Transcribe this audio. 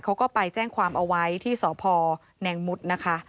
เขาก็ไปแจ้งความเอาไว้ที่สพแนงมุดนะคะ